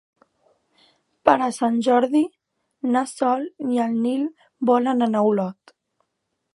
Per Sant Jordi na Sol i en Nil volen anar a Olot.